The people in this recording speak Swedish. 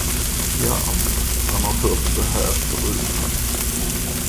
Ja Ante, han har hört det här förut, han.